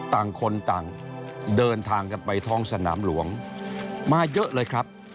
ต่างคนต่างเดินทางกันไปท้องสนามหลวงมาเยอะเลยครับ